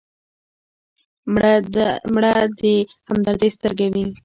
مړه د همدردۍ سترګه وه